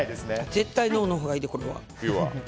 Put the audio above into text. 絶対ノーのほうがいいでこれは。